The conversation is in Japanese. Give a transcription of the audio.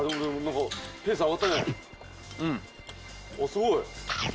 すごい。